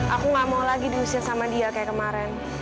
aku gak mau lagi diusir sama dia kayak kemarin